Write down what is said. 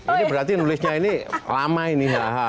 ini berarti nulisnya ini lama ini